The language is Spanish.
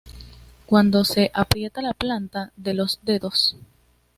Cuando se aprieta la planta con los dedos.